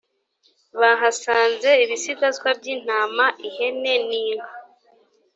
bahasanze ibisigazwa by’intama ihene n’inka